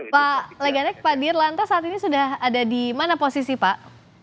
pak leganek pak dirlanta saat ini sudah ada di mana posisi pak